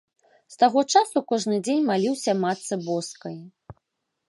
З таго часу кожны дзень маліўся матцы боскай.